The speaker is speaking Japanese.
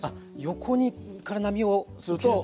横から波を受けると。